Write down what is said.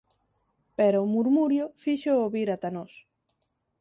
Pero o murmurio fíxoo vir ata nós.